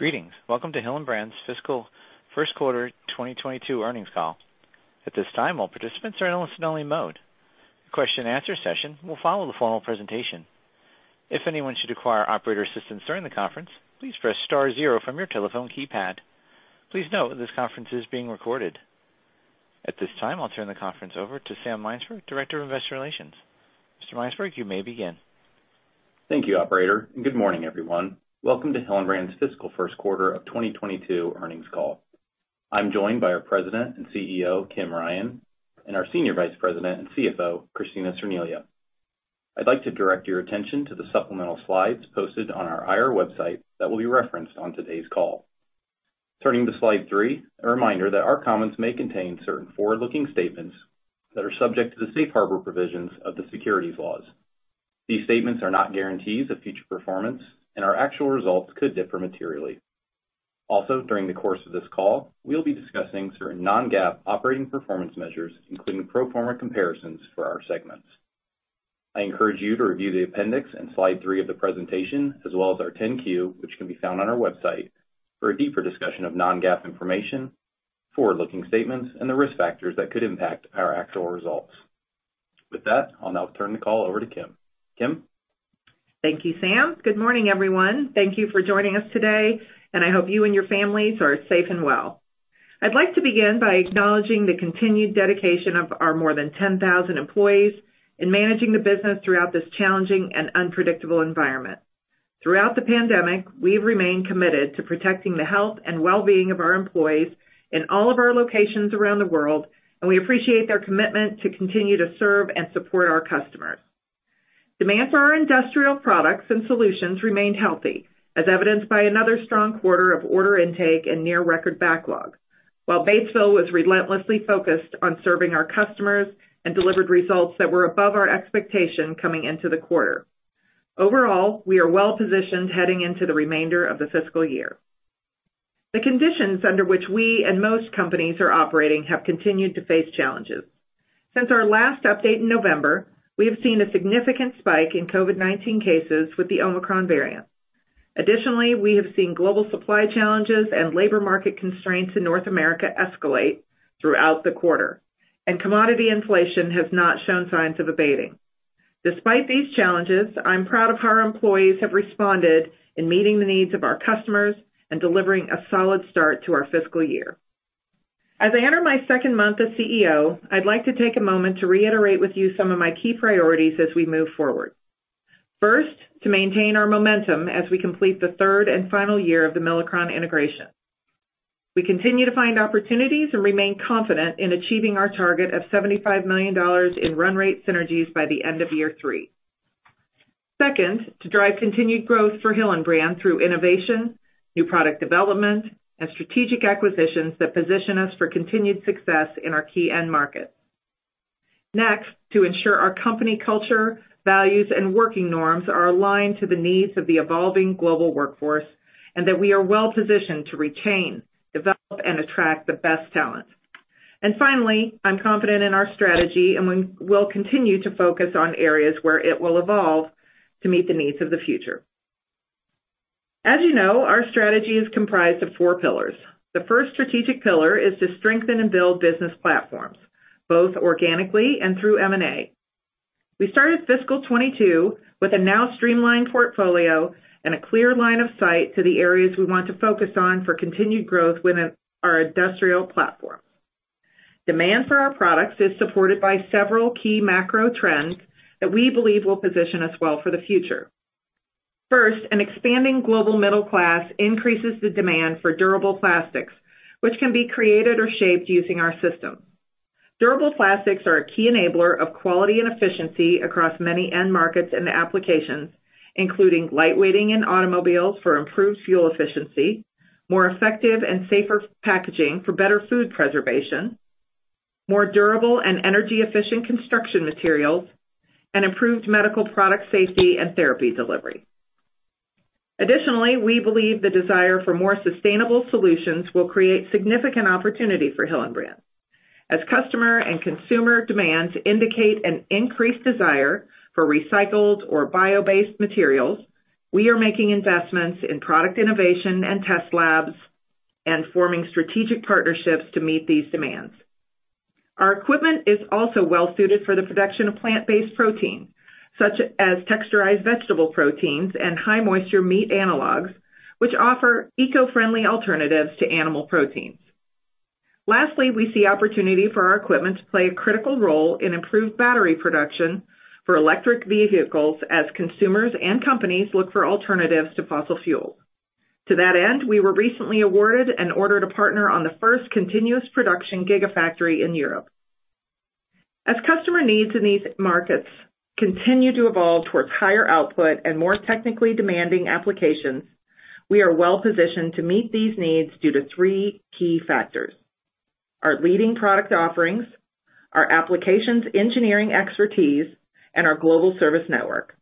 Greetings. Welcome to Hillenbrand's fiscal first quarter 2022 earnings call. At this time, all participants are in listen-only mode. The question and answer session will follow the formal presentation. If anyone should require operator assistance during the conference, please press star zero from your telephone keypad. Please note this conference is being recorded. At this time, I'll turn the conference over to Sam Mynsberge, Director of Investor Relations. Mr. Mynsberge, you may begin. Thank you, operator, and good morning, everyone. Welcome to Hillenbrand's fiscal first quarter of 2022 earnings call. I'm joined by our President and CEO, Kim Ryan, and our Senior Vice President and CFO, Kristina Cerniglia. I'd like to direct your attention to the supplemental slides posted on our ir website that will be referenced on today's call. Turning to slide three, a reminder that our comments may contain certain forward-looking statements that are subject to the safe harbor provisions of the securities laws. These statements are not guarantees of future performance and our actual results could differ materially. Also, during the course of this call, we'll be discussing certain non-GAAP operating performance measures, including pro forma comparisons for our segments. I encourage you to review the appendix in slide three of the presentation, as well as our 10-Q, which can be found on our website, for a deeper discussion of non-GAAP information, forward-looking statements, and the risk factors that could impact our actual results. With that, I'll now turn the call over to Kim. Kim? Thank you, Sam. Good morning, everyone. Thank you for joining us today, and I hope you and your families are safe and well. I'd like to begin by acknowledging the continued dedication of our more than 10,000 employees in managing the business throughout this challenging and unpredictable environment. Throughout the pandemic, we've remained committed to protecting the health and well-being of our employees in all of our locations around the world, and we appreciate their commitment to continue to serve and support our customers. Demand for our industrial products and solutions remained healthy, as evidenced by another strong quarter of order intake and near-record backlog, while Batesville was relentlessly focused on serving our customers and delivered results that were above our expectation coming into the quarter. Overall, we are well-positioned heading into the remainder of the fiscal year. The conditions under which we and most companies are operating have continued to face challenges. Since our last update in November, we have seen a significant spike in COVID-19 cases with the Omicron variant. Additionally, we have seen global supply challenges and labor market constraints in North America escalate throughout the quarter, and commodity inflation has not shown signs of abating. Despite these challenges, I'm proud of how our employees have responded in meeting the needs of our customers and delivering a solid start to our fiscal year. As I enter my second month as CEO, I'd like to take a moment to reiterate with you some of my key priorities as we move forward. First, to maintain our momentum as we complete the third and final year of the Milacron integration. We continue to find opportunities and remain confident in achieving our target of $75 million in run rate synergies by the end of year three. Second, to drive continued growth for Hillenbrand through innovation, new product development, and strategic acquisitions that position us for continued success in our key end markets. Next, to ensure our company culture, values, and working norms are aligned to the needs of the evolving global workforce, and that we are well-positioned to retain, develop, and attract the best talent. Finally, I'm confident in our strategy, and we will continue to focus on areas where it will evolve to meet the needs of the future. As you know, our strategy is comprised of four pillars. The first strategic pillar is to strengthen and build business platforms, both organically and through M&A. We started fiscal 2022 with a now streamlined portfolio and a clear line of sight to the areas we want to focus on for continued growth within our industrial platform. Demand for our products is supported by several key macro trends that we believe will position us well for the future. First, an expanding global middle class increases the demand for durable plastics, which can be created or shaped using our system. Durable plastics are a key enabler of quality and efficiency across many end markets and applications, including lightweighting in automobiles for improved fuel efficiency, more effective and safer packaging for better food preservation, more durable and energy-efficient construction materials, and improved medical product safety and therapy delivery. Additionally, we believe the desire for more sustainable solutions will create significant opportunity for Hillenbrand. As customer and consumer demands indicate an increased desire for recycled or bio-based materials, we are making investments in product innovation and test labs and forming strategic partnerships to meet these demands. Our equipment is also well-suited for the production of plant-based protein, such as texturized vegetable proteins and high-moisture meat analogs, which offer eco-friendly alternatives to animal proteins. Lastly, we see opportunity for our equipment to play a critical role in improved battery production for electric vehicles as consumers and companies look for alternatives to fossil fuels. To that end, we were recently awarded an order as a partner on the first continuous production gigafactory in Europe. As customer needs in these markets continue to evolve towards higher output and more technically demanding applications, we are well-positioned to meet these needs due to three key factors, our leading product offerings, our applications engineering expertise, and our global service network.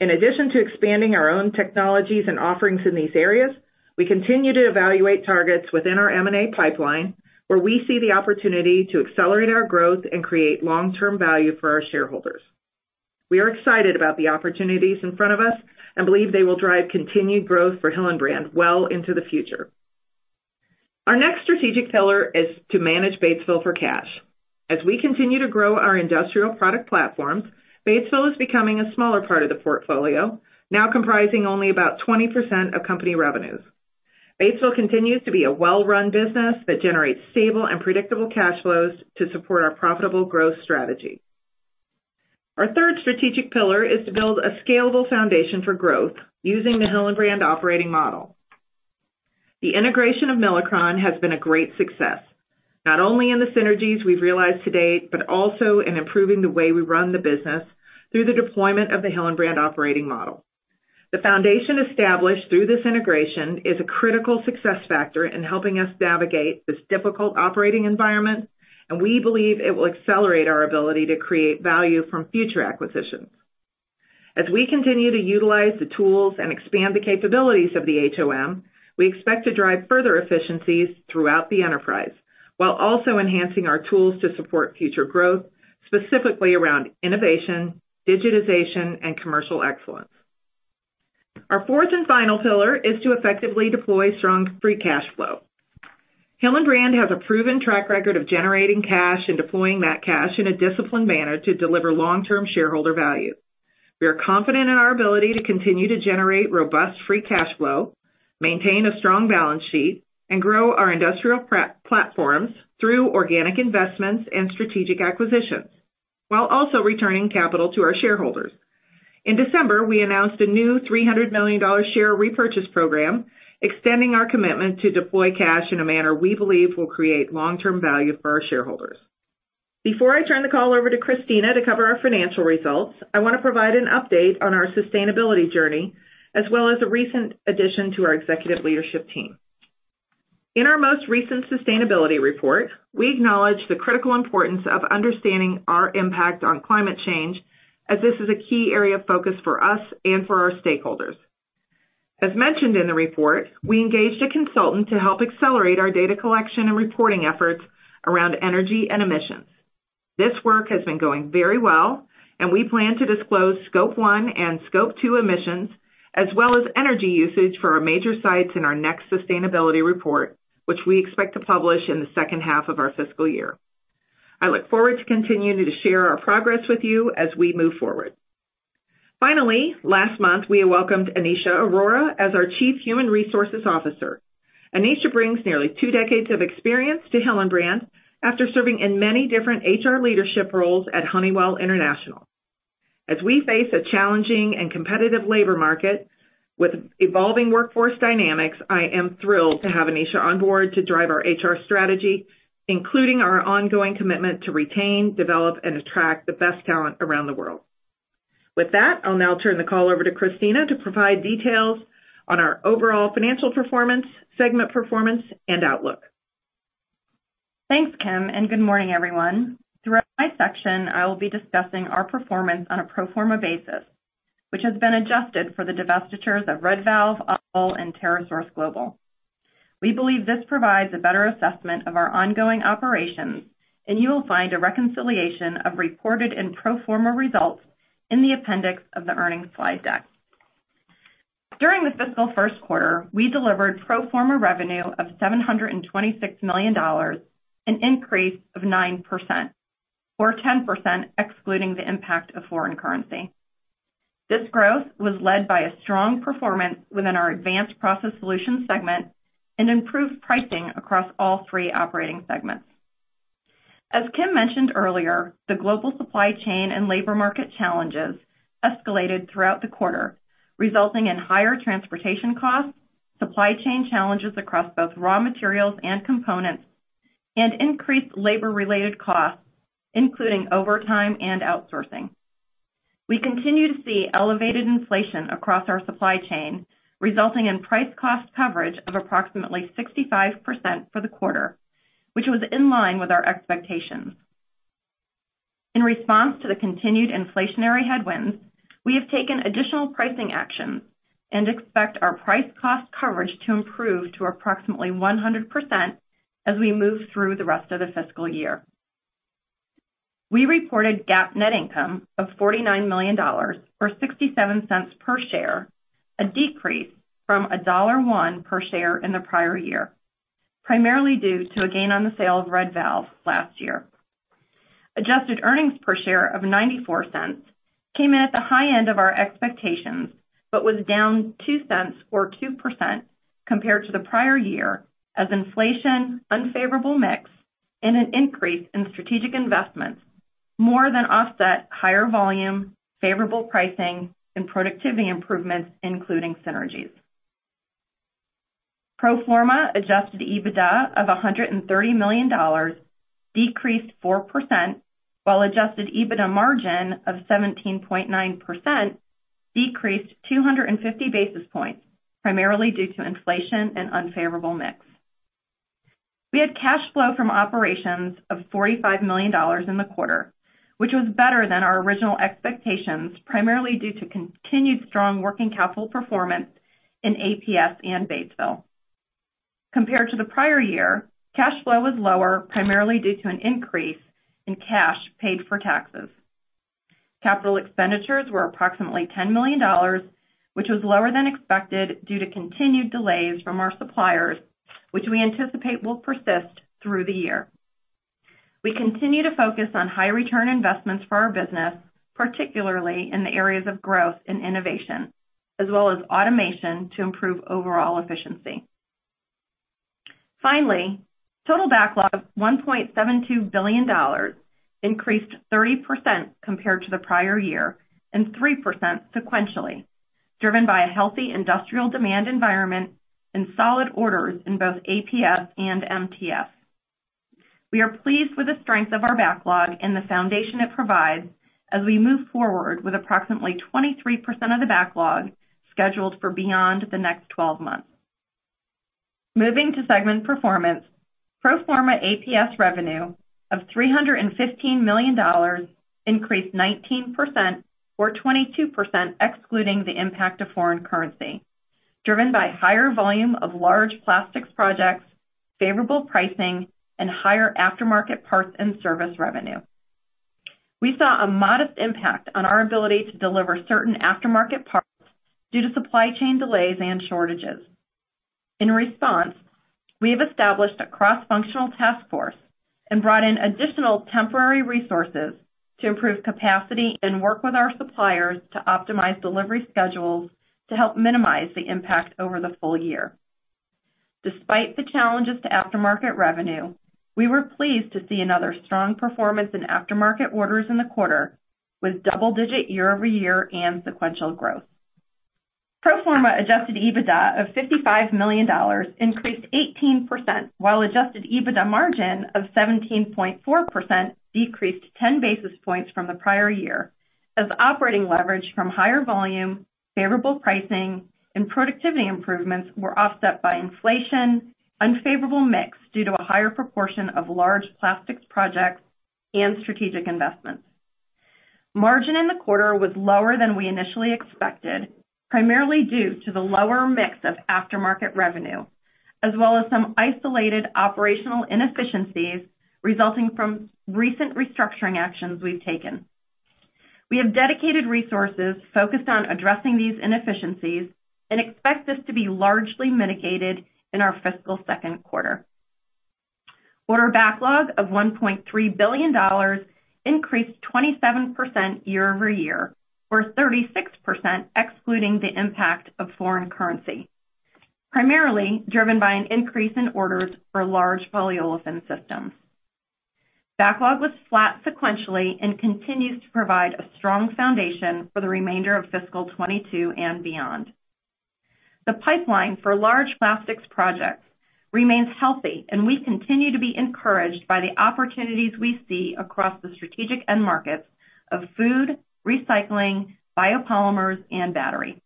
In addition to expanding our own technologies and offerings in these areas. We continue to evaluate targets within our M&A pipeline, where we see the opportunity to accelerate our growth and create long-term value for our shareholders. We are excited about the opportunities in front of us and believe they will drive continued growth for Hillenbrand well into the future. Our next strategic pillar is to manage Batesville for cash. As we continue to grow our industrial product platforms, Batesville is becoming a smaller part of the portfolio, now comprising only about 20% of company revenues. Batesville continues to be a well-run business that generates stable and predictable cash flows to support our profitable growth strategy. Our third strategic pillar is to build a scalable foundation for growth using the Hillenbrand Operating Model. The integration of Milacron has been a great success, not only in the synergies we've realized to date, but also in improving the way we run the business through the deployment of the Hillenbrand Operating Model. The foundation established through this integration is a critical success factor in helping us navigate this difficult operating environment, and we believe it will accelerate our ability to create value from future acquisitions. As we continue to utilize the tools and expand the capabilities of the HOM, we expect to drive further efficiencies throughout the enterprise, while also enhancing our tools to support future growth, specifically around innovation, digitization, and commercial excellence. Our fourth and final pillar is to effectively deploy strong free cash flow. Hillenbrand has a proven track record of generating cash and deploying that cash in a disciplined manner to deliver long-term shareholder value. We are confident in our ability to continue to generate robust free cash flow, maintain a strong balance sheet, and grow our industrial platforms through organic investments and strategic acquisitions, while also returning capital to our shareholders. In December, we announced a new $300 million share repurchase program, extending our commitment to deploy cash in a manner we believe will create long-term value for our shareholders. Before I turn the call over to Kristina to cover our financial results, I want to provide an update on our sustainability journey, as well as a recent addition to our executive leadership team. In our most recent sustainability report, we acknowledge the critical importance of understanding our impact on climate change as this is a key area of focus for us and for our stakeholders. As mentioned in the report, we engaged a consultant to help accelerate our data collection and reporting efforts around energy and emissions. This work has been going very well, and we plan to disclose scope one and scope two emissions, as well as energy usage for our major sites in our next sustainability report, which we expect to publish in the second half of our fiscal year. I look forward to continuing to share our progress with you as we move forward. Finally, last month, we welcomed Aneesha Arora as our Chief Human Resources Officer. Aneesha brings nearly two decades of experience to Hillenbrand after serving in many different HR leadership roles at Honeywell International. As we face a challenging and competitive labor market with evolving workforce dynamics, I am thrilled to have Aneesha on board to drive our HR strategy, including our ongoing commitment to retain, develop, and attract the best talent around the world. With that, I'll now turn the call over to Kristina to provide details on our overall financial performance, segment performance, and outlook. Thanks, Kim, and good morning, everyone. Throughout my section, I will be discussing our performance on a pro forma basis, which has been adjusted for the divestitures of Red Valve, ABEL, and TerraSource Global. We believe this provides a better assessment of our ongoing operations, and you will find a reconciliation of reported and pro forma results in the appendix of the earnings slide deck. During the fiscal first quarter, we delivered pro forma revenue of $726 million, an increase of 9%, or 10% excluding the impact of foreign currency. This growth was led by a strong performance within our Advanced Process Solutions segment and improved pricing across all three operating segments. As Kim mentioned earlier, the global supply chain and labor market challenges escalated throughout the quarter, resulting in higher transportation costs, supply chain challenges across both raw materials and components, and increased labor-related costs, including overtime and outsourcing. We continue to see elevated inflation across our supply chain, resulting in price cost coverage of approximately 65% for the quarter, which was in line with our expectations. In response to the continued inflationary headwinds, we have taken additional pricing actions and expect our price cost coverage to improve to approximately 100% as we move through the rest of the fiscal year. We reported GAAP net income of $49 million or 67 cents per share, a decrease from $1.01 per share in the prior year, primarily due to a gain on the sale of Red Valve last year. Adjusted earnings per share of $0.94 came in at the high end of our expectations, but was down $0.02 or 2% compared to the prior year as inflation, unfavorable mix, and an increase in strategic investments more than offset higher volume, favorable pricing, and productivity improvements, including synergies. Pro forma adjusted EBITDA of $130 million decreased 4%, while adjusted EBITDA margin of 17.9% decreased 250 basis points, primarily due to inflation and unfavorable mix. We had cash flow from operations of $45 million in the quarter, which was better than our original expectations, primarily due to continued strong working capital performance in APS and Batesville. Compared to the prior year, cash flow was lower, primarily due to an increase in cash paid for taxes. Capital expenditures were approximately $10 million, which was lower than expected due to continued delays from our suppliers, which we anticipate will persist through the year. We continue to focus on high return investments for our business, particularly in the areas of growth and innovation, as well as automation to improve overall efficiency. Finally, total backlog of $1.72 billion increased 30% compared to the prior year, and 3% sequentially, driven by a healthy industrial demand environment and solid orders in both APS and MTS. We are pleased with the strength of our backlog and the foundation it provides as we move forward with approximately 23% of the backlog scheduled for beyond the next twelve months. Moving to segment performance, pro forma APS revenue of $315 million increased 19%, or 22% excluding the impact of foreign currency, driven by higher volume of large plastics projects, favorable pricing, and higher aftermarket parts and service revenue. We saw a modest impact on our ability to deliver certain aftermarket parts due to supply chain delays and shortages. In response, we have established a cross-functional task force and brought in additional temporary resources to improve capacity and work with our suppliers to optimize delivery schedules to help minimize the impact over the full year. Despite the challenges to aftermarket revenue, we were pleased to see another strong performance in aftermarket orders in the quarter, with double-digit year-over-year and sequential growth. Pro forma adjusted EBITDA of $55 million increased 18%, while adjusted EBITDA margin of 17.4% decreased 10 basis points from the prior year as operating leverage from higher volume, favorable pricing, and productivity improvements were offset by inflation, unfavorable mix due to a higher proportion of large plastics projects, and strategic investments. Margin in the quarter was lower than we initially expected, primarily due to the lower mix of aftermarket revenue, as well as some isolated operational inefficiencies resulting from recent restructuring actions we've taken. We have dedicated resources focused on addressing these inefficiencies and expect this to be largely mitigated in our fiscal second quarter. Order backlog of $1.3 billion increased 27% year-over-year, or 36% excluding the impact of foreign currency, primarily driven by an increase in orders for large polyolefin systems. Backlog was flat sequentially and continues to provide a strong foundation for the remainder of fiscal 2022 and beyond. The pipeline for large plastics projects remains healthy, and we continue to be encouraged by the opportunities we see across the strategic end markets of food, recycling, biopolymers, and battery.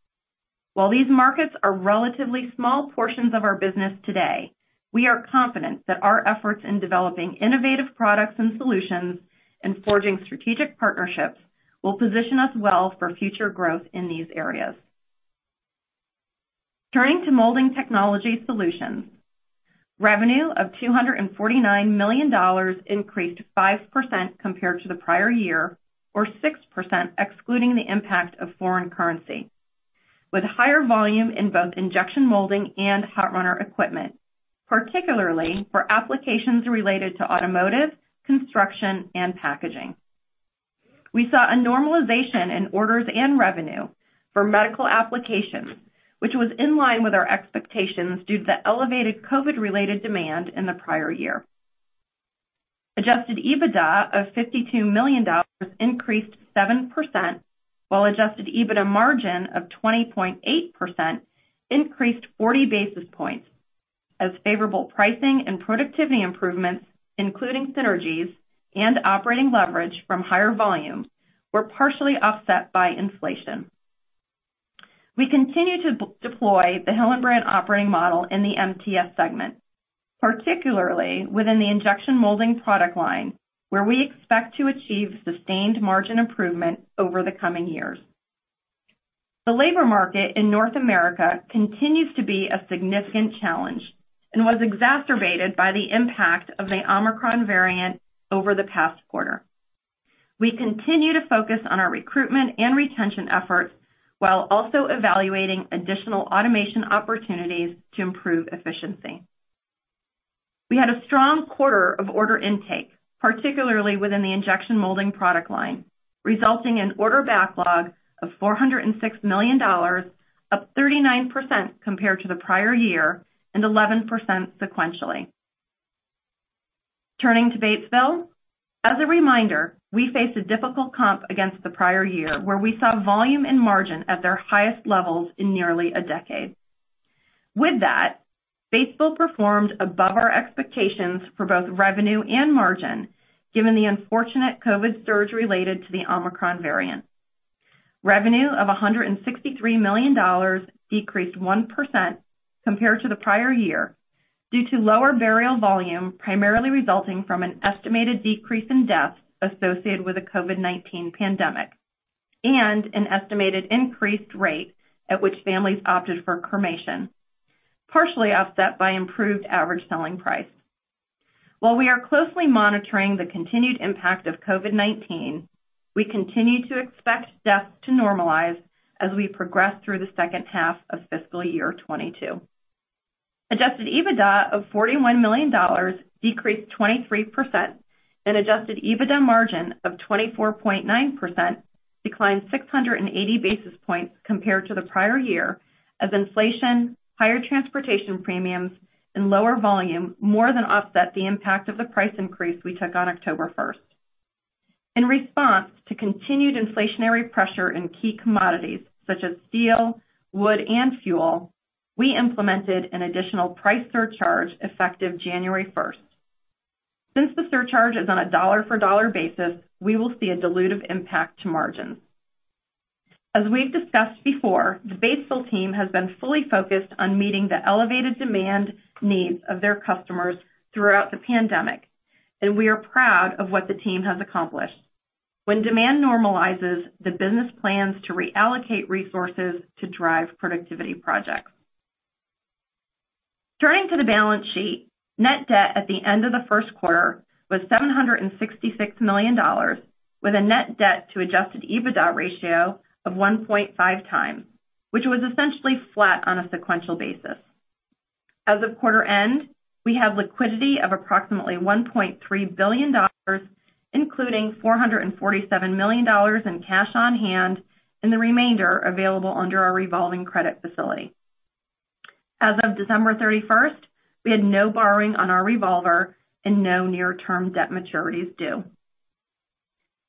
While these markets are relatively small portions of our business today, we are confident that our efforts in developing innovative products and solutions and forging strategic partnerships will position us well for future growth in these areas. Turning to Molding Technology Solutions. Revenue of $249 million increased 5% compared to the prior year, or 6% excluding the impact of foreign currency, with higher volume in both injection molding and hot runner equipment, particularly for applications related to automotive, construction, and packaging. We saw a normalization in orders and revenue for medical applications, which was in line with our expectations due to the elevated COVID-related demand in the prior year. Adjusted EBITDA of $52 million increased 7%, while adjusted EBITDA margin of 20.8% increased 40 basis points as favorable pricing and productivity improvements, including synergies and operating leverage from higher volumes, were partially offset by inflation. We continue to deploy the Hillenbrand Operating Model in the MTS segment, particularly within the injection molding product line, where we expect to achieve sustained margin improvement over the coming years. The labor market in North America continues to be a significant challenge and was exacerbated by the impact of the Omicron variant over the past quarter. We continue to focus on our recruitment and retention efforts while also evaluating additional automation opportunities to improve efficiency. We had a strong quarter of order intake, particularly within the injection molding product line, resulting in order backlog of $406 million, up 39% compared to the prior year and 11% sequentially. Turning to Batesville. As a reminder, we face a difficult comp against the prior year, where we saw volume and margin at their highest levels in nearly a decade. With that, Batesville performed above our expectations for both revenue and margin, given the unfortunate COVID surge related to the Omicron variant. Revenue of $163 million decreased 1% compared to the prior year due to lower burial volume, primarily resulting from an estimated decrease in deaths associated with the COVID-19 pandemic and an estimated increased rate at which families opted for cremation, partially offset by improved average selling price. While we are closely monitoring the continued impact of COVID-19, we continue to expect death to normalize as we progress through the second half of fiscal year 2022. Adjusted EBITDA of $41 million decreased 23% and adjusted EBITDA margin of 24.9% declined 680 basis points compared to the prior year as inflation, higher transportation premiums, and lower volume more than offset the impact of the price increase we took on October 1. In response to continued inflationary pressure in key commodities such as steel, wood, and fuel, we implemented an additional price surcharge effective January 1. Since the surcharge is on a dollar-for-dollar basis, we will see a dilutive impact to margins. As we've discussed before, the Batesville team has been fully focused on meeting the elevated demand needs of their customers throughout the pandemic, and we are proud of what the team has accomplished. When demand normalizes, the business plans to reallocate resources to drive productivity projects. Turning to the balance sheet, net debt at the end of the first quarter was $766 million, with a net debt to adjusted EBITDA ratio of 1.5x, which was essentially flat on a sequential basis. As of quarter end, we have liquidity of approximately $1.3 billion, including $447 million in cash on hand and the remainder available under our revolving credit facility. As of December 31, we had no borrowing on our revolver and no near-term debt maturities due.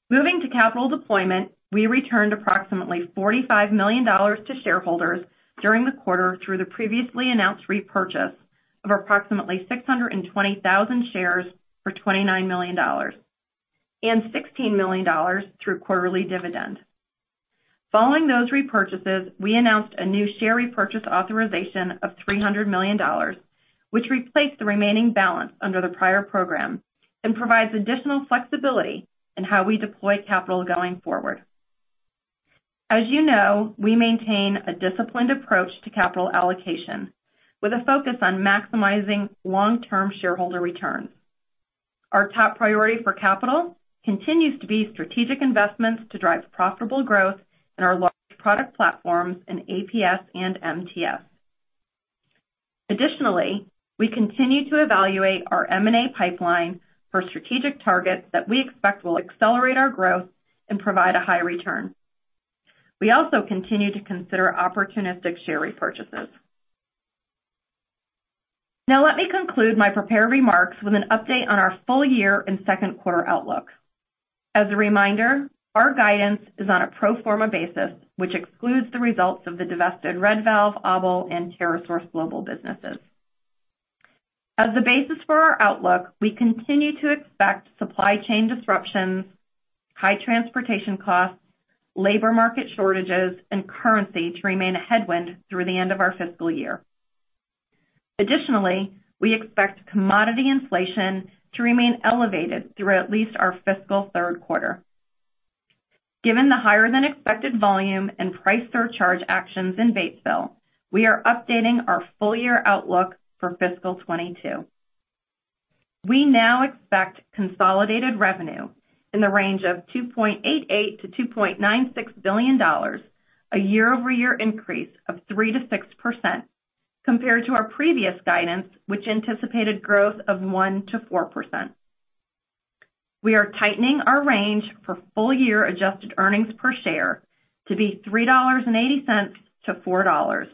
Moving to capital deployment, we returned approximately $45 million to shareholders during the quarter through the previously announced repurchase of approximately 620,000 shares for $29 million and $16 million through quarterly dividend. Following those repurchases, we announced a new share repurchase authorization of $300 million, which replaced the remaining balance under the prior program and provides additional flexibility in how we deploy capital going forward. As you know, we maintain a disciplined approach to capital allocation with a focus on maximizing long-term shareholder returns. Our top priority for capital continues to be strategic investments to drive profitable growth in our large product platforms in APS and MTS. Additionally, we continue to evaluate our M&A pipeline for strategic targets that we expect will accelerate our growth and provide a high return. We also continue to consider opportunistic share repurchases. Now let me conclude my prepared remarks with an update on our full year and second quarter outlook. As a reminder, our guidance is on a pro forma basis, which excludes the results of the divested Red Valve, ABEL, and TerraSource Global businesses. As the basis for our outlook, we continue to expect supply chain disruptions, high transportation costs, labor market shortages, and currency to remain a headwind through the end of our fiscal year. Additionally, we expect commodity inflation to remain elevated through at least our fiscal third quarter. Given the higher than expected volume and price surcharge actions in Batesville, we are updating our full year outlook for fiscal 2022. We now expect consolidated revenue in the range of $2.88 billion-$2.96 billion, a year-over-year increase of 3%-6% compared to our previous guidance, which anticipated growth of 1%-4%. We are tightening our range for full year adjusted earnings per share to be $3.80-$4.00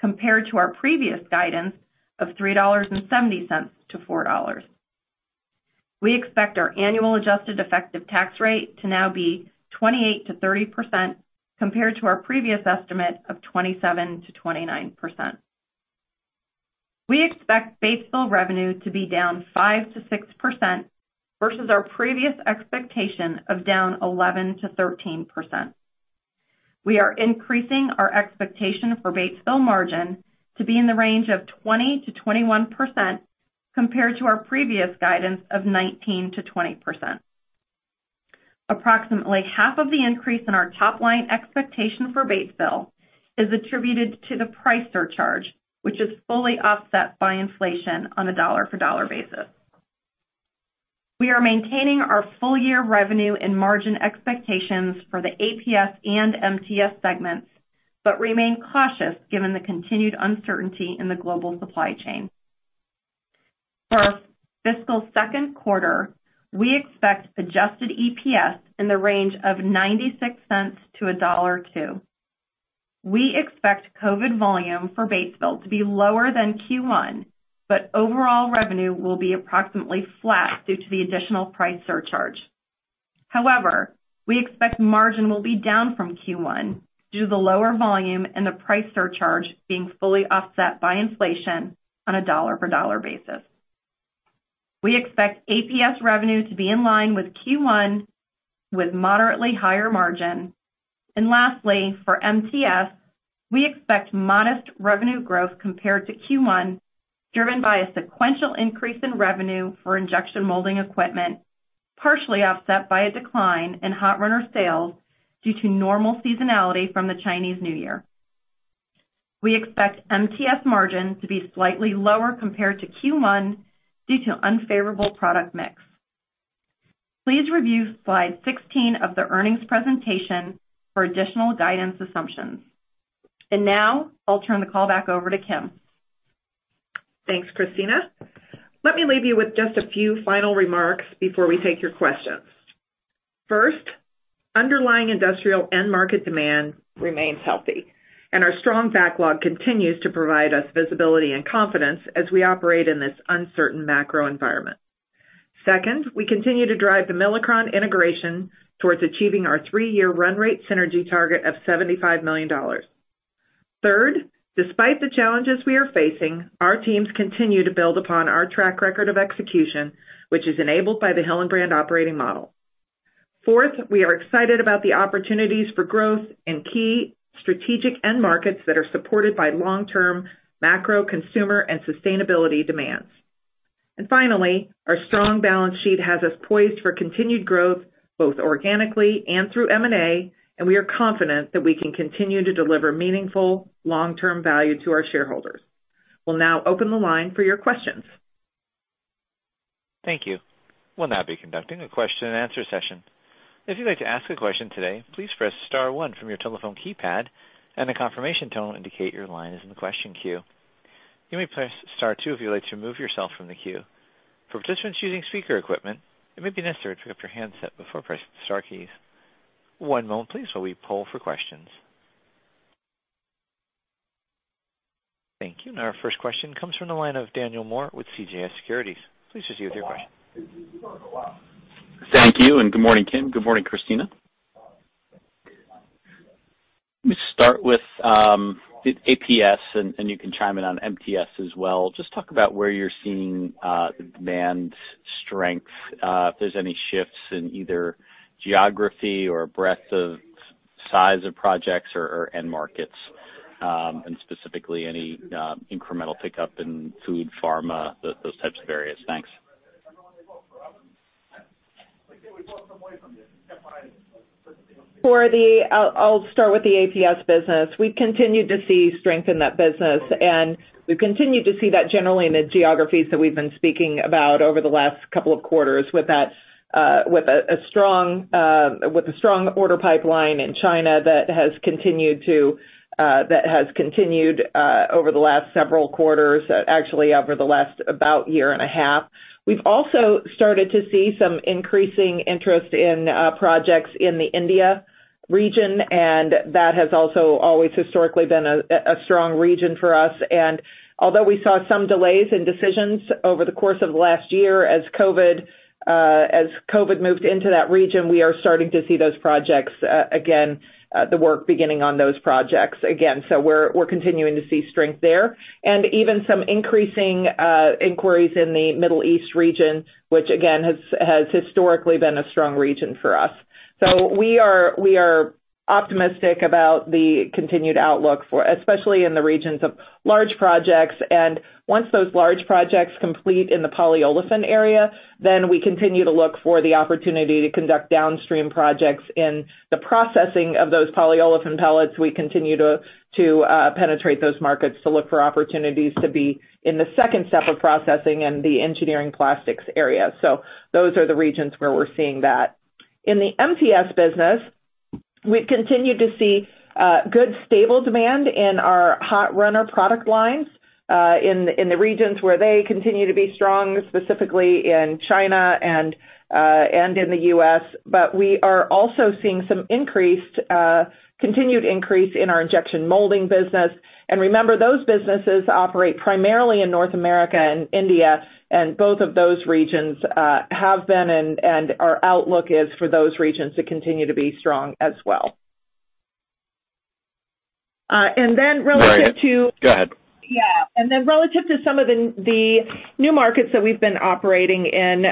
compared to our previous guidance of $3.70-$4.00. We expect our annual adjusted effective tax rate to now be 28%-30% compared to our previous estimate of 27%-29%. We expect Batesville revenue to be down 5%-6% versus our previous expectation of down 11%-13%. We are increasing our expectation for Batesville margin to be in the range of 20%-21% compared to our previous guidance of 19%-20%. Approximately half of the increase in our top line expectation for Batesville is attributed to the price surcharge, which is fully offset by inflation on a dollar-for-dollar basis. We are maintaining our full year revenue and margin expectations for the APS and MTS segments, but remain cautious given the continued uncertainty in the global supply chain. For our fiscal second quarter, we expect adjusted EPS in the range of $0.96-$1.02. We expect COVID volume for Batesville to be lower than Q1, but overall revenue will be approximately flat due to the additional price surcharge. However, we expect margin will be down from Q1 due to the lower volume and the price surcharge being fully offset by inflation on a dollar-for-dollar basis. We expect APS revenue to be in line with Q1 with moderately higher margin. Lastly, for MTS, we expect modest revenue growth compared to Q1, driven by a sequential increase in revenue for injection molding equipment, partially offset by a decline in hot runner sales due to normal seasonality from the Chinese New Year. We expect MTS margin to be slightly lower compared to Q1 due to unfavorable product mix. Please review slide 16 of the earnings presentation for additional guidance assumptions. Now I'll turn the call back over to Kim. Thanks, Kristina. Let me leave you with just a few final remarks before we take your questions. First, underlying industrial end market demand remains healthy, and our strong backlog continues to provide us visibility and confidence as we operate in this uncertain macro environment. Second, we continue to drive the Milacron integration towards achieving our three-year run rate synergy target of $75 million. Third, despite the challenges we are facing, our teams continue to build upon our track record of execution, which is enabled by the Hillenbrand Operating Model. Fourth, we are excited about the opportunities for growth in key strategic end markets that are supported by long-term macro consumer and sustainability demands. Finally, our strong balance sheet has us poised for continued growth, both organically and through M&A, and we are confident that we can continue to deliver meaningful long-term value to our shareholders. We'll now open the line for your questions. Thank you. We'll now be conducting a question-and-answer session. If you'd like to ask a question today, please press star one from your telephone keypad, and a confirmation tone will indicate your line is in the question queue. You may press star two if you'd like to remove yourself from the queue. For participants using speaker equipment, it may be necessary to pick up your handset before pressing the star keys. One moment please, while we poll for questions. Thank you. Our first question comes from the line of Daniel Moore with CJS Securities. Please proceed with your question. Thank you, and good morning, Kim. Good morning, Kristina. Let me start with the APS, and you can chime in on MTS as well. Just talk about where you're seeing the demand strength, if there's any shifts in either geography or breadth of size of projects or end markets, and specifically any incremental pickup in food, pharma, those types of areas. Thanks. I'll start with the APS business. We've continued to see strength in that business, and we've continued to see that generally in the geographies that we've been speaking about over the last couple of quarters with a strong order pipeline in China that has continued over the last several quarters, actually over the last about a year and a half. We've also started to see some increasing interest in projects in the India region, and that has also always historically been a strong region for us. Although we saw some delays in decisions over the course of last year as COVID moved into that region, we are starting to see those projects again, the work beginning on those projects again. We're continuing to see strength there. Even some increasing inquiries in the Middle East region, which again has historically been a strong region for us. We are optimistic about the continued outlook for, especially in the regions of large projects. Once those large projects complete in the polyolefin area, then we continue to look for the opportunity to conduct downstream projects in the processing of those polyolefin pellets. We co ntinue to penetrate those markets to look for opportunities to be in the second step of processing in the engineering plastics area. Those are the regions where we're seeing that. In the MTS business, we've continued to see good, stable demand in our hot runner product lines in the regions where they continue to be strong, specifically in China and in the U.S. We are also seeing some increased, continued increase in our injection molding business. Remember, those businesses operate primarily in North America and India, and both of those regions have been and our outlook is for those regions to continue to be strong as well. Relative to- Go ahead. Yeah. Then relative to some of the new markets that we've been operating in,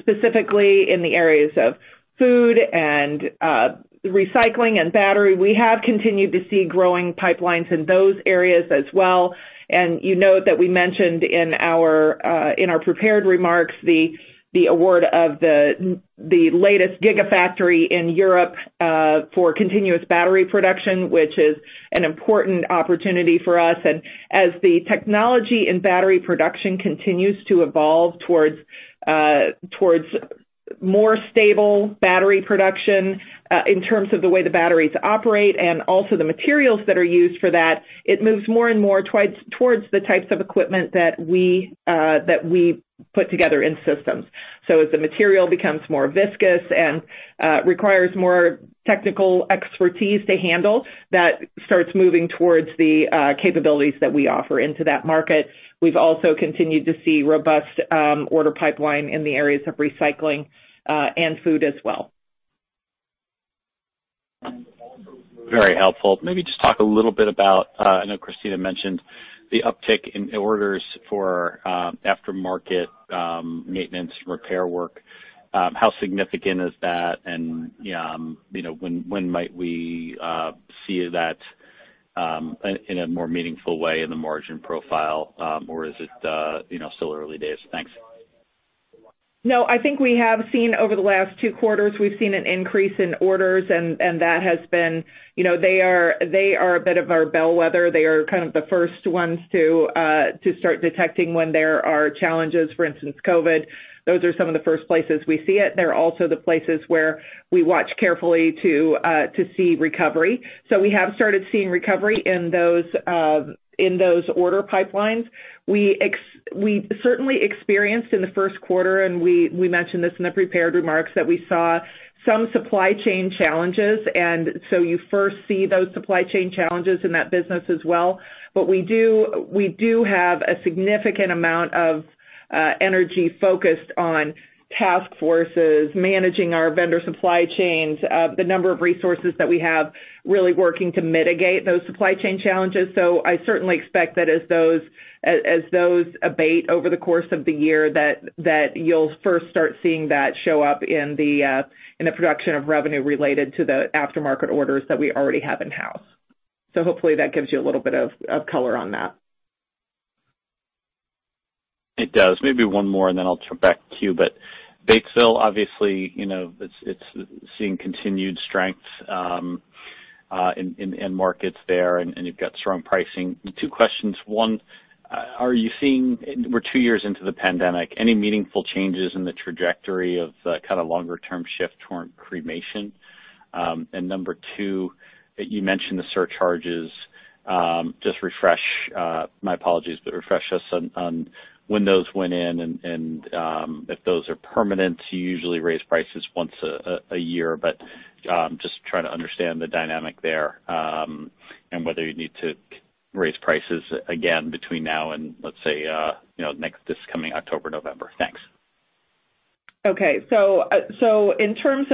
specifically in the areas of food and recycling and battery, we have continued to see growing pipelines in those areas as well. You note that we mentioned in our prepared remarks the award of the latest gigafactory in Europe for continuous battery production, which is an important opportunity for us. As the technology in battery production continues to evolve towards more stable battery production in terms of the way the batteries operate and also the materials that are used for that, it moves more and more towards the types of equipment that we put together in systems. As the material becomes more viscous and requires more technical expertise to handle, that starts moving towards the capabilities that we offer into that market. We've also continued to see robust order pipeline in the areas of recycling and food as well. Very helpful. Maybe just talk a little bit about, I know Kristina mentioned the uptick in orders for, aftermarket, maintenance repair work. How significant is that? You know, when might we see that in a more meaningful way in the margin profile, or is it, you know, still early days? Thanks. No, I think we have seen over the last two quarters, we've seen an increase in orders, and that has been, you know, they are a bit of our bellwether. They are kind of the first ones to start detecting when there are challenges, for instance, COVID. Those are some of the first places we see it. They are also the places where we watch carefully to see recovery. We have started seeing recovery in those order pipelines. We certainly experienced in the first quarter, and we mentioned this in the prepared remarks, that we saw some supply chain challenges. You first see those supply chain challenges in that business as well. We do have a significant amount of energy focused on task forces, managing our vendor supply chains, the number of resources that we have really working to mitigate those supply chain challenges. I certainly expect that as those abate over the course of the year, that you'll first start seeing that show up in the production of revenue related to the aftermarket orders that we already have in-house. Hopefully that gives you a little bit of color on that. It does. Maybe one more, and then I'll jump back to you. Batesville, obviously, you know, it's seeing continued strength in end markets there, and you've got strong pricing. Two questions. One, are you seeing, we're two years into the pandemic, any meaningful changes in the trajectory of the kind of longer term shift toward cremation? And number two, you mentioned the surcharges. Just refresh, my apologies, but refresh us on when those went in and if those are permanent. You usually raise prices once a year, but just trying to understand the dynamic there, and whether you need to raise prices again between now and let's say, you know, this coming October, November. Thanks. In terms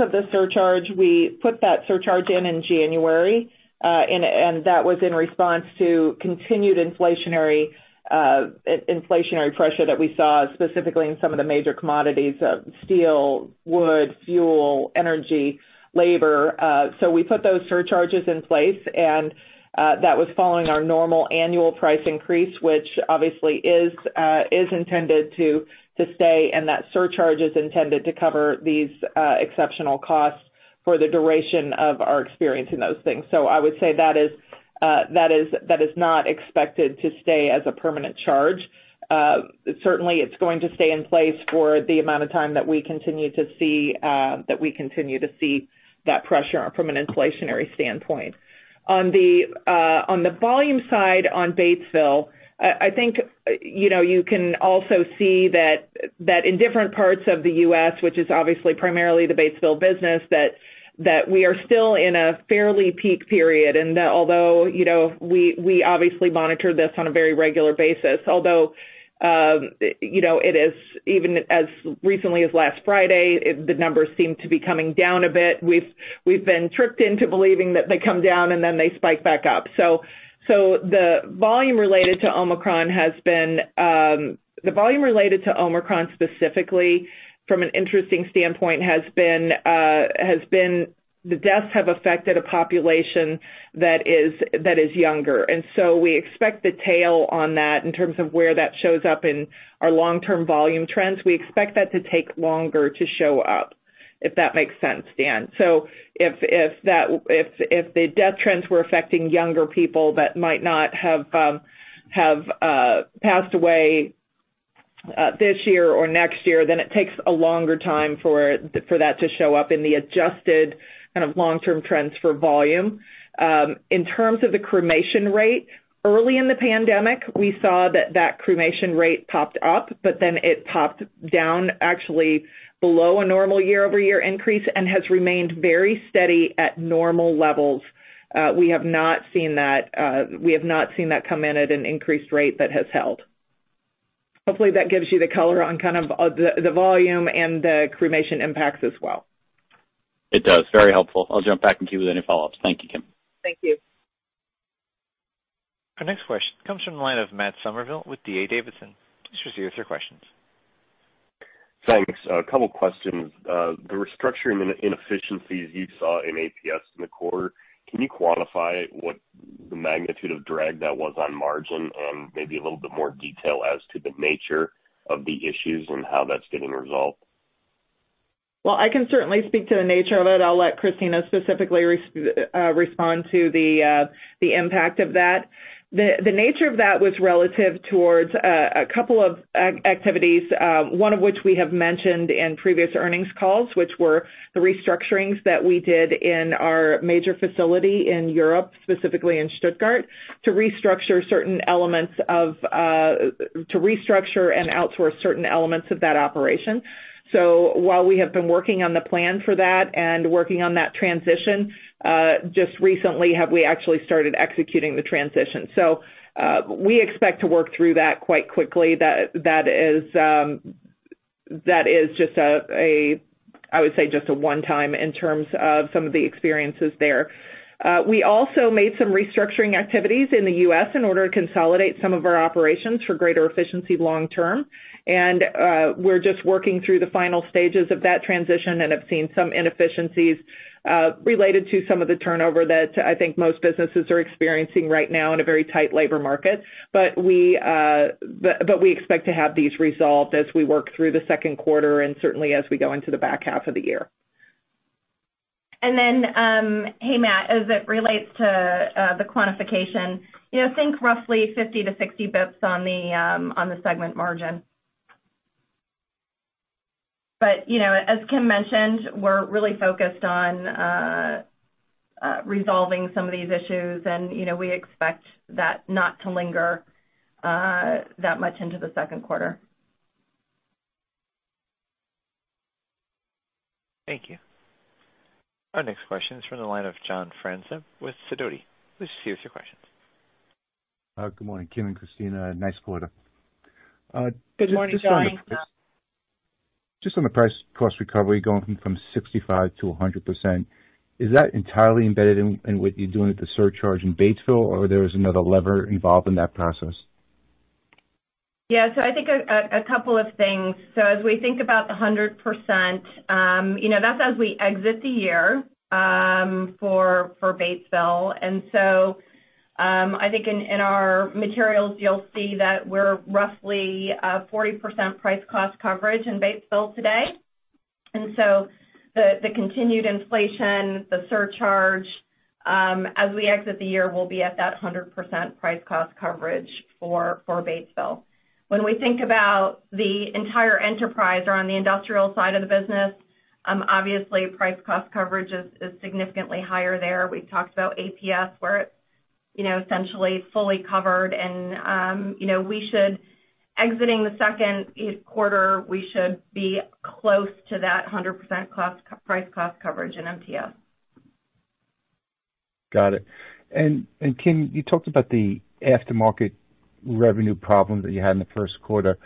of the surcharge, we put that surcharge in in January, and that was in response to continued inflationary pressure that we saw specifically in some of the major commodities of steel, wood, fuel, energy, labor. We put those surcharges in place, and that was following our normal annual price increase, which obviously is intended to stay, and that surcharge is intended to cover these exceptional costs for the duration of our experience in those things. I would say that is not expected to stay as a permanent charge. Certainly it's going to stay in place for the amount of time that we continue to see that pressure from an inflationary standpoint. On the volume side on Batesville, I think you know you can also see that in different parts of the U.S., which is obviously primarily the Batesville business, that we are still in a fairly peak period. Although you know we obviously monitor this on a very regular basis, it is even as recently as last Friday, the numbers seem to be coming down a bit. We've been tricked into believing that they come down, and then they spike back up. The volume related to Omicron specifically from an interesting standpoint has been the deaths have affected a population that is younger. We expect the tail on that in terms of where that shows up in our long-term volume trends. We expect that to take longer to show up, if that makes sense, Dan. If the death trends were affecting younger people that might not have passed away this year or next year, then it takes a longer time for that to show up in the adjusted kind of long-term trends for volume. In terms of the cremation rate, early in the pandemic, we saw that cremation rate popped up, but then it popped down actually below a normal year-over-year increase and has remained very steady at normal levels. We have not seen that come in at an increased rate that has held. Hopefully that gives you the color on kind of, the volume and the cremation impacts as well. It does. Very helpful. I'll jump back in to you with any follow-ups. Thank you, Kim. Thank you. Our next question comes from the line of Matt Summerville with D.A. Davidson. Please proceed with your questions. Thanks. A couple questions. The restructuring and efficiencies you saw in APS in the quarter, can you quantify what the magnitude of drag that was on margin and maybe a little bit more detail as to the nature of the issues and how that's getting resolved? Well, I can certainly speak to the nature of it. I'll let Kristina specifically respond to the impact of that. The nature of that was relative towards a couple of activities, one of which we have mentioned in previous earnings calls, which were the restructurings that we did in our major facility in Europe, specifically in Stuttgart, to restructure and outsource certain elements of that operation. While we have been working on the plan for that and working on that transition, just recently have we actually started executing the transition. We expect to work through that quite quickly. That is just a one-time in terms of some of the experiences there. We also made some restructuring activities in the U.S. in order to consolidate some of our operations for greater efficiency long term. We're just working through the final stages of that transition and have seen some inefficiencies related to some of the turnover that I think most businesses are experiencing right now in a very tight labor market. We expect to have these resolved as we work through the second quarter and certainly as we go into the back half of the year. Hey, Matt, as it relates to the quantification, you know, think roughly 50-60 BPS on the segment margin. You know, as Kim mentioned, we're really focused on resolving some of these issues and, you know, we expect that not to linger that much into the second quarter. Thank you. Our next question is from the line of John Franzreb with Sidoti. Please see your questions. Good morning, Kim and Christina. Nice quarter. Good morning, John. Good morning, John. Just on the price cost recovery going from 65%-100%, is that entirely embedded in what you're doing with the surcharge in Batesville, or there is another lever involved in that process? Yeah. I think a couple of things. As we think about the 100%, you know, that's as we exit the year for Batesville. I think in our materials, you'll see that we're roughly 40% price cost coverage in Batesville today. The continued inflation, the surcharge, as we exit the year will be at that 100% price cost coverage for Batesville. When we think about the entire enterprise or on the industrial side of the business, obviously price cost coverage is significantly higher there. We've talked about APS where it's, you know, essentially fully covered and, you know, we should be close to that 100% price cost coverage in MTS exiting the second quarter. Got it. Kim, you talked about the aftermarket revenue problem that you had in the first quarter.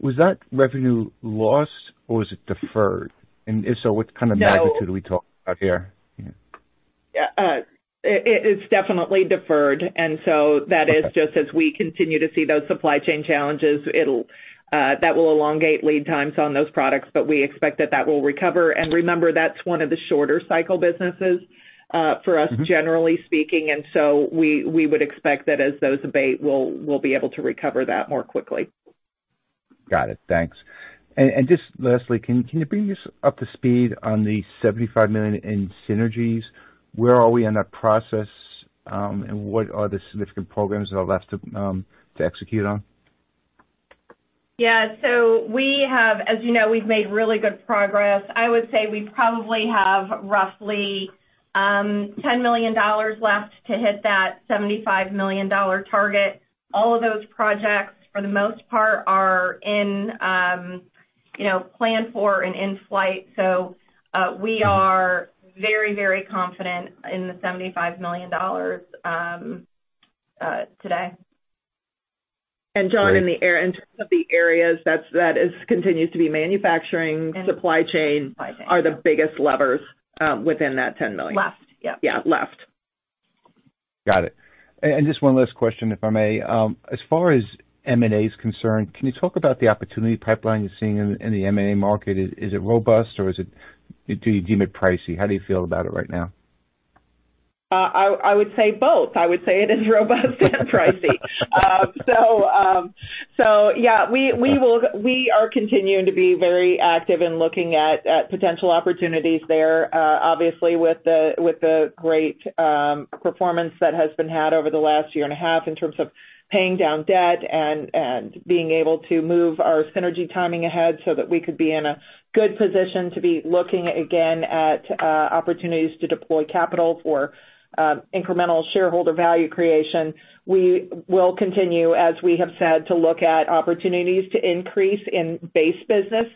Was that revenue lost or was it deferred? If so, what kind of- No. What magnitude are we talking about here? It's definitely deferred. That is just as we continue to see those supply chain challenges, that will elongate lead times on those products, but we expect that will recover. Remember, that's one of the shorter cycle businesses. Mm-hmm. for us, generally speaking. We would expect that as those abate, we'll be able to recover that more quickly. Got it. Thanks. Just lastly, can you bring us up to speed on the $75 million in synergies? Where are we in that process, and what are the significant programs that are left to execute on? Yeah. As you know, we've made really good progress. I would say we probably have roughly $10 million left to hit that $75 million target. All of those projects, for the most part, are in, you know, planned for and in-flight. We are very, very confident in the $75 million today. John, in terms of the areas, that continues to be manufacturing. Manufacturing. Supply chain are the biggest levers within that $10 million. Left, yep. Yeah, left. Got it. Just one last question, if I may. As far as M&A is concerned, can you talk about the opportunity pipeline you're seeing in the M&A market? Is it robust or do you deem it pricey? How do you feel about it right now? I would say both. I would say it is robust and pricey. We are continuing to be very active in looking at potential opportunities there. Obviously with the great performance that has been had over the last year and a half in terms of paying down debt and being able to move our synergy timing ahead so that we could be in a good position to be looking again at opportunities to deploy capital for incremental shareholder value creation. We will continue, as we have said, to look at opportunities to increase in base business,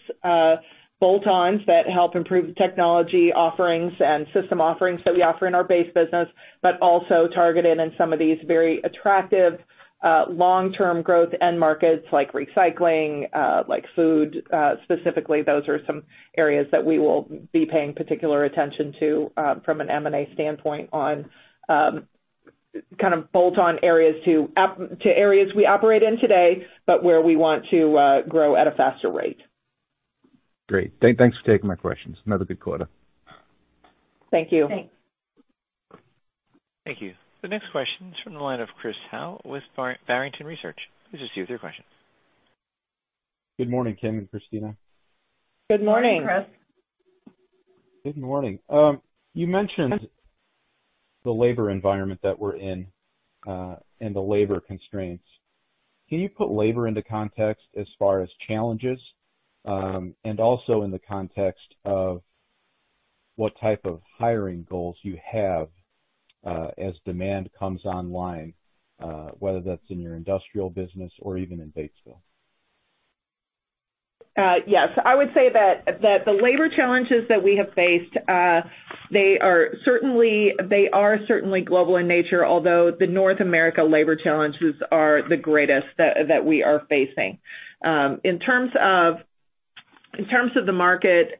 bolt-ons that help improve the technology offerings and system offerings that we offer in our base business, but also targeted in some of these very attractive, long-term growth end markets like recycling, like food. Specifically, those are some areas that we will be paying particular attention to, from an M&A standpoint on, kind of bolt-on areas to areas we operate in today, but where we want to grow at a faster rate. Great. Thanks for taking my questions. Another good quarter. Thank you. Thanks. Thank you. The next question is from the line of Chris Howe with Barrington Research. Please proceed with your question. Good morning, Kim and Christina. Good morning. Good morning, Chris. Good morning. You mentioned the labor environment that we're in, and the labor constraints. Can you put labor into context as far as challenges, and also in the context of what type of hiring goals you have, as demand comes online, whether that's in your industrial business or even in Batesville? Yes. I would say that the labor challenges that we have faced, they are certainly global in nature, although the North America labor challenges are the greatest that we are facing. In terms of the market,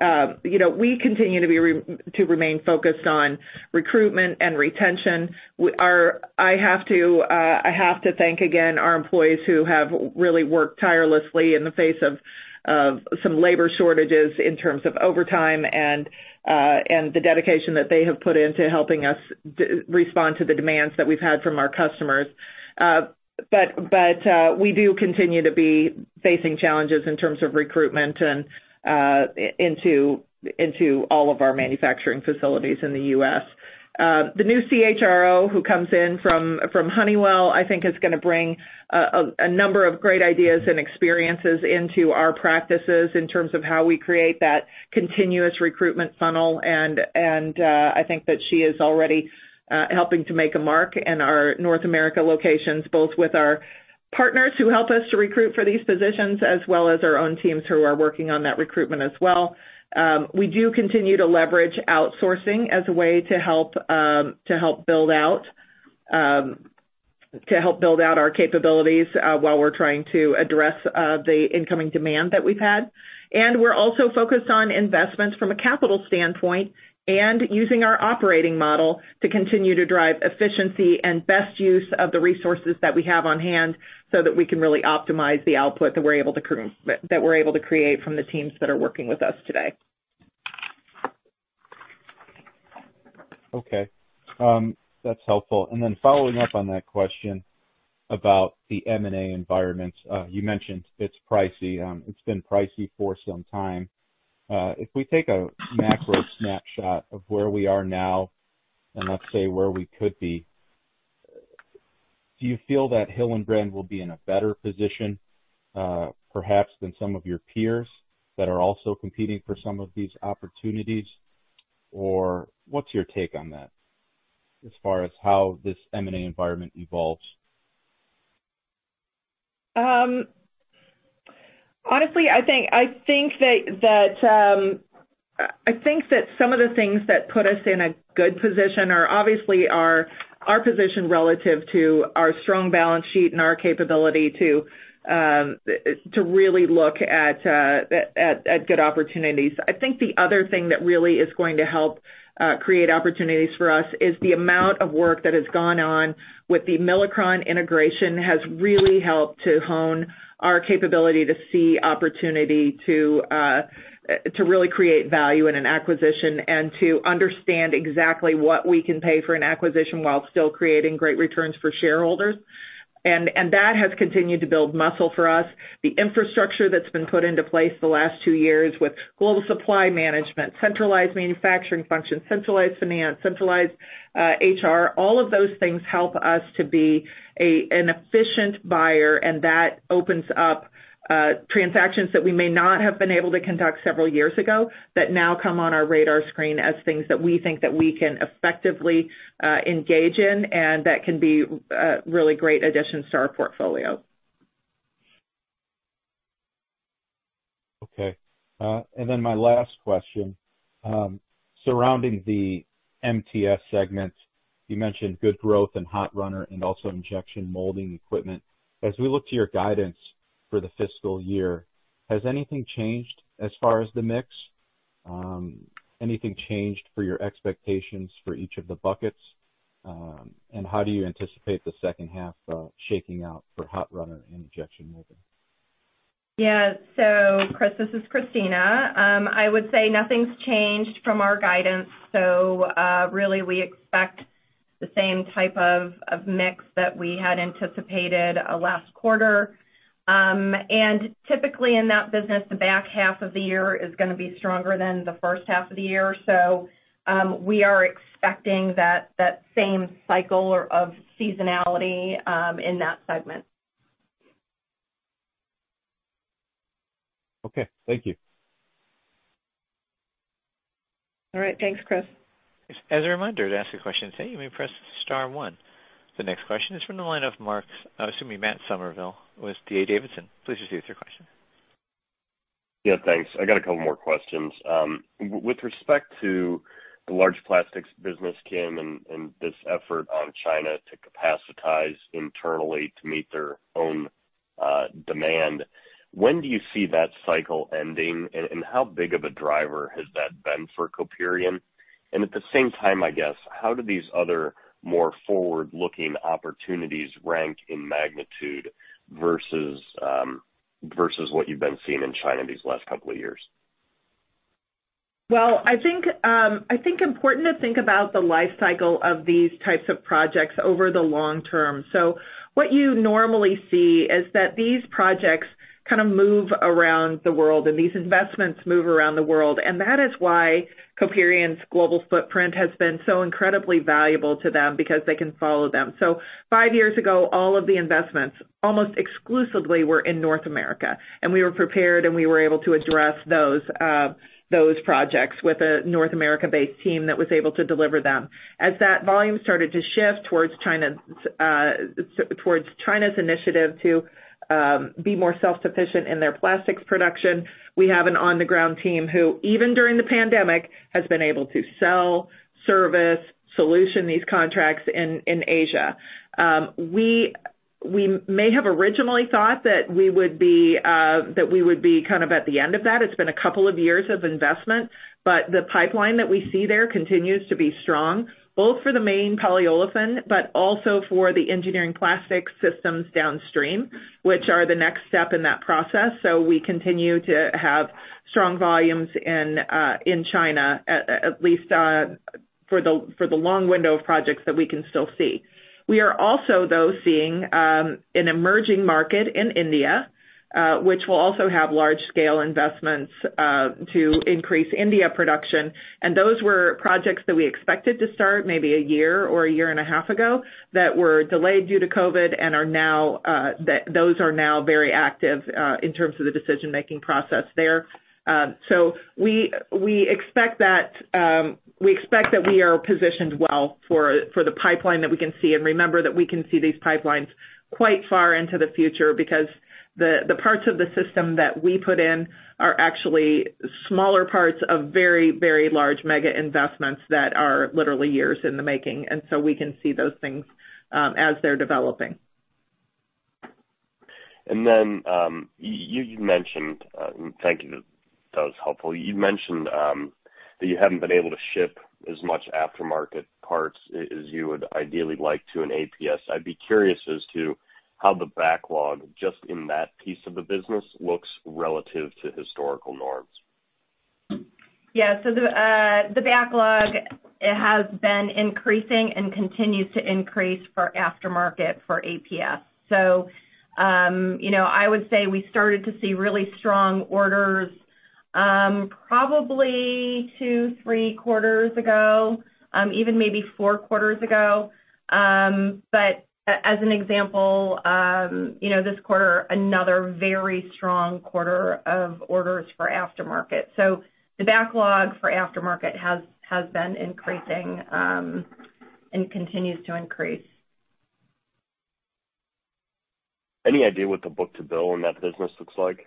you know, we continue to remain focused on recruitment and retention. I have to thank again our employees who have really worked tirelessly in the face of some labor shortages in terms of overtime and the dedication that they have put into helping us respond to the demands that we've had from our customers. But we do continue to be facing challenges in terms of recruitment and into all of our manufacturing facilities in the U.S. The new CHRO who comes in from Honeywell, I think is gonna bring a number of great ideas and experiences into our practices in terms of how we create that continuous recruitment funnel, and I think that she is already helping to make a mark in our North America locations, both with our partners who help us to recruit for these positions, as well as our own teams who are working on that recruitment as well. We do continue to leverage outsourcing as a way to help build out our capabilities while we're trying to address the incoming demand that we've had. We're also focused on investments from a capital standpoint and using our operating model to continue to drive efficiency and best use of the resources that we have on hand so that we can really optimize the output that we're able to create from the teams that are working with us today. Okay. That's helpful. Then following up on that question about the M&A environment, you mentioned it's pricey. It's been pricey for some time. If we take a macro snapshot of where we are now and let's say where we could be, do you feel that Hillenbrand will be in a better position, perhaps than some of your peers that are also competing for some of these opportunities? Or what's your take on that as far as how this M&A environment evolves? Honestly, I think that some of the things that put us in a good position are obviously our position relative to our strong balance sheet and our capability to really look at good opportunities. I think the other thing that really is going to help create opportunities for us is the amount of work that has gone on with the Milacron integration has really helped to hone our capability to see opportunity to really create value in an acquisition and to understand exactly what we can pay for an acquisition while still creating great returns for shareholders. That has continued to build muscle for us. The infrastructure that's been put into place the last two years with global supply management, centralized manufacturing function, centralized finance, centralized HR, all of those things help us to be an efficient buyer, and that opens up transactions that we may not have been able to conduct several years ago that now come on our radar screen as things that we think that we can effectively engage in, and that can be really great additions to our portfolio. Okay. My last question. Surrounding the MTS segment, you mentioned good growth in hot runner and also injection molding equipment. As we look to your guidance for the fiscal year, has anything changed as far as the mix? Anything changed for your expectations for each of the buckets? How do you anticipate the second half shaking out for hot runner and injection molding? Yeah. Chris, this is Kristina. I would say nothing's changed from our guidance. Really we expect the same type of mix that we had anticipated last quarter. Typically in that business, the back half of the year is gonna be stronger than the first half of the year. We are expecting that same cycle of seasonality in that segment. Okay. Thank you. All right. Thanks, Chris. As a reminder, to ask a question today, you may press star one. The next question is from the line of Matt Summerville with D.A. Davidson. Please proceed with your question. Yeah, thanks. I got a couple more questions. With respect to the large plastics business, Kim, and this effort on China to capacitize internally to meet their own demand, when do you see that cycle ending, and how big of a driver has that been for Coperion? At the same time, I guess, how do these other more forward-looking opportunities rank in magnitude versus what you've been seeing in China these last couple of years? I think important to think about the life cycle of these types of projects over the long term. What you normally see is that these projects kind of move around the world and these investments move around the world. That is why Coperion's global footprint has been so incredibly valuable to them because they can follow them. Five years ago, all of the investments almost exclusively were in North America, and we were prepared, and we were able to address those projects with a North America-based team that was able to deliver them. As that volume started to shift towards China's initiative to be more self-sufficient in their plastics production, we have an on-the-ground team who, even during the pandemic, has been able to sell, service, solution these contracts in Asia. We may have originally thought that we would be kind of at the end of that. It's been a couple of years of investment, but the pipeline that we see there continues to be strong, both for the main polyolefin, but also for the engineering plastic systems downstream, which are the next step in that process. We continue to have strong volumes in China, at least for the long window of projects that we can still see. We are also, though, seeing an emerging market in India, which will also have large-scale investments to increase Indian production. Those were projects that we expected to start maybe a year or a year and a half ago that were delayed due to COVID and are now those are now very active in terms of the decision-making process there. We expect that we are positioned well for the pipeline that we can see. Remember that we can see these pipelines quite far into the future because the parts of the system that we put in are actually smaller parts of very, very large mega investments that are literally years in the making. We can see those things as they're developing. Thank you. That was helpful. You mentioned that you haven't been able to ship as much aftermarket parts as you would ideally like to in APS. I'd be curious as to how the backlog just in that piece of the business looks relative to historical norms. Yeah. The backlog has been increasing and continues to increase for aftermarket for APS. You know, I would say we started to see really strong orders probably two, three, quarters ago, even maybe four quarters ago. But as an example, you know, this quarter, another very strong quarter of orders for aftermarket. The backlog for aftermarket has been increasing and continues to increase. Any idea what the book-to-bill in that business looks like?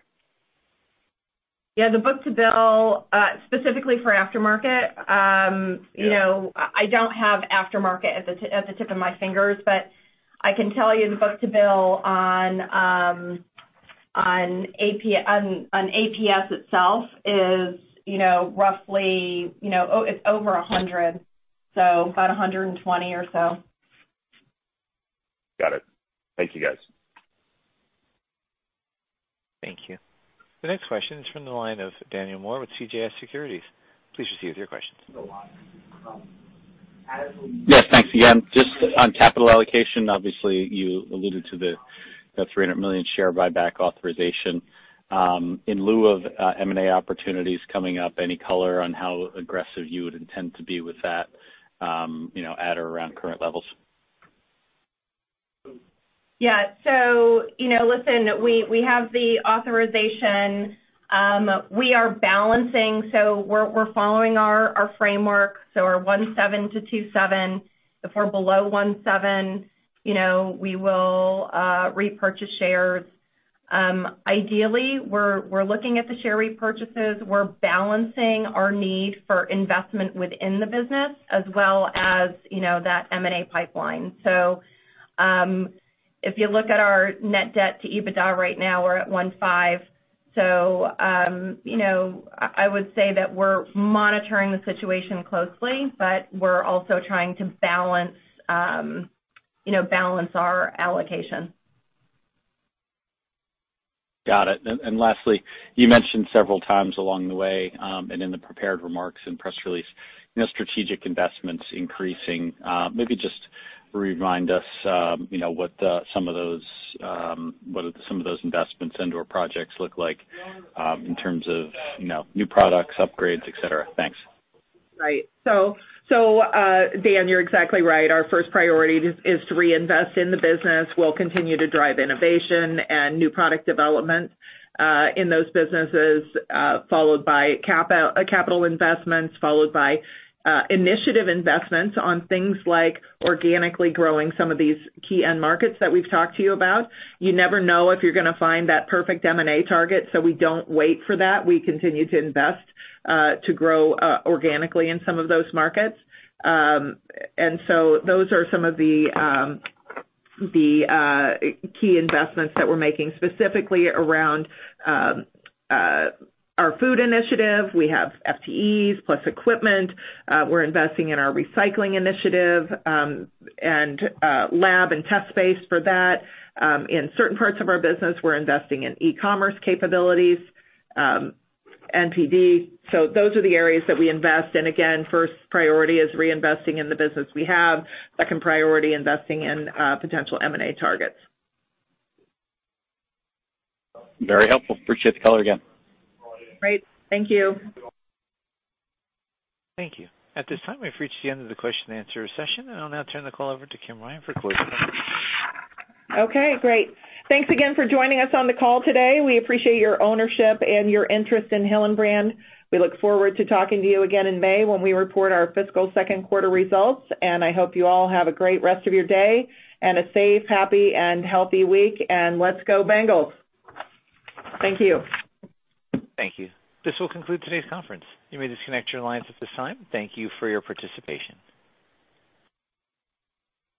Yeah, the book-to-bill, specifically for aftermarket. Yeah. You know, I don't have aftermarket at the tip of my fingers, but I can tell you the book-to-bill on APS itself is, you know, roughly, you know, it's over 100, so about 120 or so. Got it. Thank you, guys. Thank you. The next question is from the line of Daniel Moore with CJS Securities. Please proceed with your questions. Yes, thanks again. Just on capital allocation, obviously, you alluded to the $300 million share buyback authorization. In lieu of M&A opportunities coming up, any color on how aggressive you would intend to be with that, you know, at or around current levels? Yeah. You know, listen, we have the authorization. We are balancing, so we're following our framework, so our 1.7 to 2.7. If we're below 1.7, you know, we will repurchase shares. Ideally, we're looking at the share repurchases. We're balancing our need for investment within the business as well as, you know, that M&A pipeline. If you look at our net debt to EBITDA right now, we're at 1.5. You know, I would say that we're monitoring the situation closely, but we're also trying to balance, you know, balance our allocation. Got it. Lastly, you mentioned several times along the way, and in the prepared remarks and press release, you know, strategic investments increasing. Maybe just remind us, you know, what are some of those investments into our projects look like, in terms of, you know, new products, upgrades, et cetera. Thanks. Right. Dan, you're exactly right. Our first priority is to reinvest in the business. We'll continue to drive innovation and new product development in those businesses, followed by capital investments, followed by initiative investments on things like organically growing some of these key end markets that we've talked to you about. You never know if you're gonna find that perfect M&A target, so we don't wait for that. We continue to invest to grow organically in some of those markets. Those are some of the key investments that we're making specifically around our food initiative. We have FTEs plus equipment. We're investing in our recycling initiative, lab and test space for that. In certain parts of our business, we're investing in e-commerce capabilities, NPD. Those are the areas that we invest. Again, first priority is reinvesting in the business we have. Second priority, investing in potential M&A targets. Very helpful. Appreciate the color again. Great. Thank you. Thank you. At this time, we've reached the end of the question and answer session. I'll now turn the call over to Kim Ryan for closing comments. Okay, great. Thanks again for joining us on the call today. We appreciate your ownership and your interest in Hillenbrand. We look forward to talking to you again in May when we report our fiscal second quarter results. I hope you all have a great rest of your day and a safe, happy, and healthy week. Let's go Bengals. Thank you. Thank you. This will conclude today's conference. You may disconnect your lines at this time. Thank you for your participation.